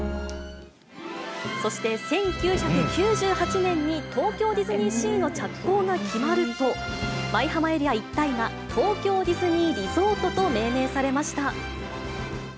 そして１９９８年に東京ディズニーシーの着工が決まると、舞浜エリア一帯が東京ディズニーリゾートと命名されました。